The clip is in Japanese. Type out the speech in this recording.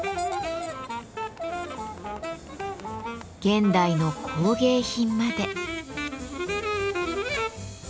現代の工芸品まで。